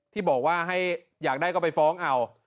ที่บอกว่าให้อยากได้ก็ไปฟ้องเอา